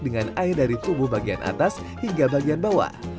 dengan air dari tubuh bagian atas hingga bagian bawah